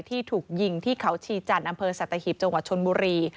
ที่ถูกยิงที่เขาชีจันทร์อำเภอสัตหีบจังหวัดชนบุรี